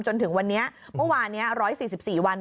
จนถึงวันนี้เมื่อวานนี้๑๔๔วัน